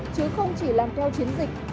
chứ không chỉ làm theo chiến dịch